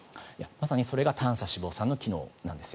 まさにそれが短鎖脂肪酸の機能なんです。